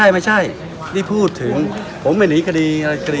ไม่ใช่นี่พูดถึงผมไม่หนีกดี